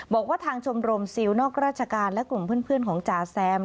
บอกว่าทางชมรมซิลนอกราชการและกลุ่มเพื่อนของจ่าแซม